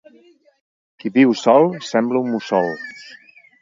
Qui viu sol sembla un mussol.